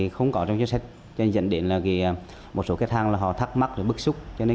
công ty cũng đã giải thích các vấn đề này